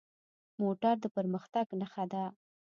موټر د پرمختګ نښه ده.